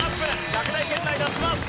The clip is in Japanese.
落第圏内脱します。